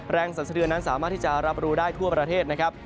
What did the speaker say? สันสะเทือนนั้นสามารถที่จะรับรู้ได้ทั่วประเทศนะครับ